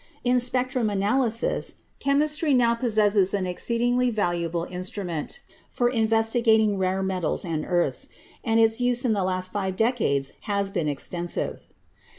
In spectrum analysis, chemistry now possesses an ex ceedingly valuable instrument for investigating rare metals and earths, and its use in the last five decades has been extensive.